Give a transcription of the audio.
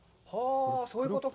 そういうことか。